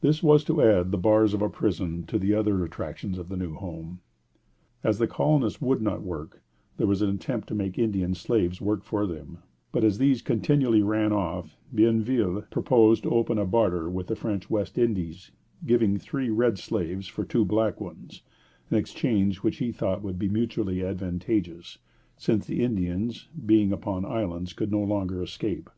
This was to add the bars of a prison to the other attractions of the new home. As the colonists would not work, there was an attempt to make Indian slaves work for them; but as these continually ran off, Bienville proposed to open a barter with the French West Indies, giving three red slaves for two black ones, an exchange which he thought would be mutually advantageous, since the Indians, being upon islands, could no longer escape.